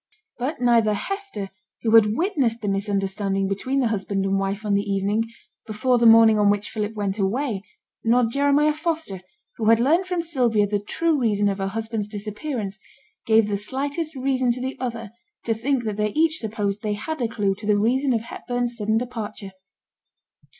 But neither Hester, who had witnessed the misunderstanding between the husband and wife on the evening, before the morning on which Philip went away, nor Jeremiah Foster, who had learnt from Sylvia the true reason of her husband's disappearance, gave the slightest reason to the other to think that they each supposed they had a clue to the reason of Hepburn's sudden departure.